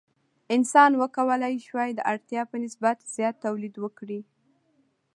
انسان وکولی شوای د اړتیا په نسبت زیات تولید وکړي.